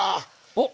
おっ！